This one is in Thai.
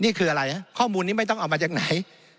นี่คืออะไรฮะข้อมูลนี้ไม่ต้องเอามาจากไหน